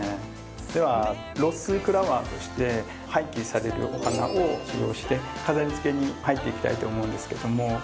ではロスフラワーとして廃棄されるお花を利用して飾り付けに入っていきたいと思うんですけども。